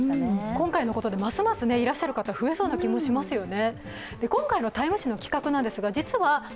今回のことでますますいらっしゃる方、増えそうな気がしますよね